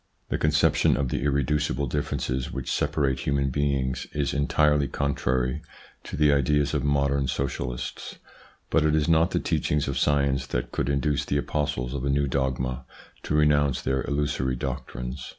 The conception of the irreducible differences which separate human beings is entirely contrary to the ideas of modern socialists, but it is not the teachings of science that could induce the apostles of a new dogma to renounce their illusory doctrines.